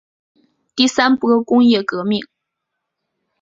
第三波工业革命